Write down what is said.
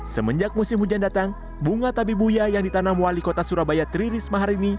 semenjak musim hujan datang bunga tabibuya yang ditanam wali kota surabaya tri risma hari ini